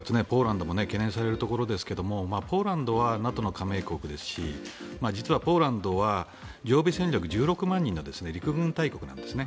なおかつポーランドも懸念されるところですがポーランドはＮＡＴＯの加盟国ですし実はポーランドは常備戦力１６万人の陸軍大国なんですね。